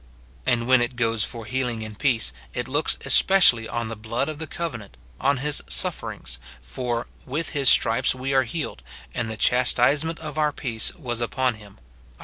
And when it goes for healing and peace, it looks especially on the blood of the covenant, on his sufferings ; for " with his stripes we are healed, and the chastisement of our peace was upon him," Isa.